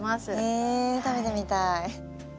へえ食べてみたい。